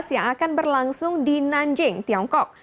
yang akan berlangsung di nanjing tiongkok